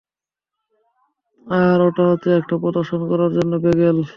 আর ওটা হচ্ছে একটা প্রদর্শন করার জন্য ব্যাগেল।